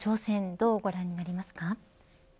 どうご覧になりますか。